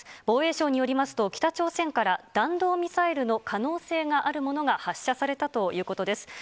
防衛省によりますと、北朝鮮から弾道ミサイルの可能性があるものが発射されたということです。